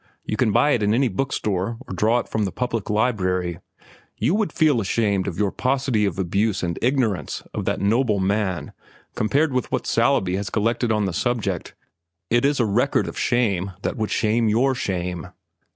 You can buy it in any book store or draw it from the public library. You would feel ashamed of your paucity of abuse and ignorance of that noble man compared with what Saleeby has collected on the subject. It is a record of shame that would shame your shame.